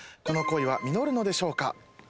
「この恋は実るのでしょうか？」